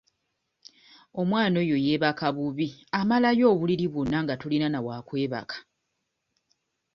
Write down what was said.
Omwana oyo yeebaka bubi amalayo obuliri bwonna nga tolina na wa kwebaka.